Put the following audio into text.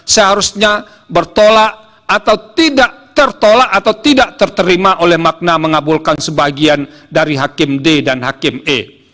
seharusnya bertolak atau tidak tertolak atau tidak terterima oleh makna mengabulkan sebagian dari hakim d dan hakim e